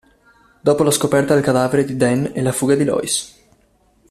Dopo la scoperta del cadavere di Dan e la fuga di Lois.